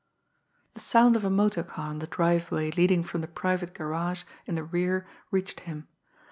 The sound of a motor car on the driveway leading from the private garage in the rear reached him.